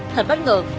thật bất ngờ